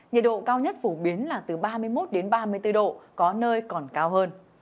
nhiệt độ cao nhất phổ biến là từ ba mươi một đến ba mươi bốn độ có nơi còn cao hơn